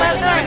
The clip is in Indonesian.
bener pak rt